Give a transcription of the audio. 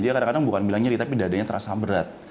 dia kadang kadang bukan bilang nyeri tapi dadanya terasa berat